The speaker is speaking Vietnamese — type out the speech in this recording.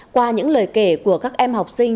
qua những lời kể của các em học sinh